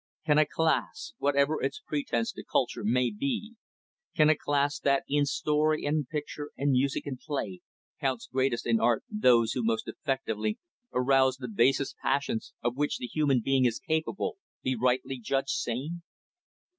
Can a class whatever its pretense to culture may be can a class, that, in story and picture and music and play, counts greatest in art those who most effectively arouse the basest passions of which the human being is capable, be rightly judged sane?